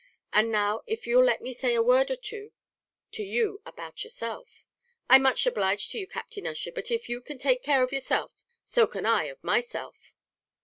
And now if you'll let me say a word or two to you about yourself " "I'm much obliged to you, Captain Ussher, but if you can take care of yourself, so can I of myself."